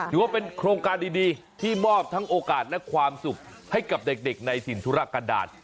ถือว่าเป็นโครงการดีที่มอบทั้งโอกาสและความสุขให้กับเด็กในถิ่นธุระกันดาล